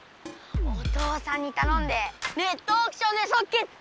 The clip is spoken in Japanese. お父さんにたのんでネットオークションでそっけつ！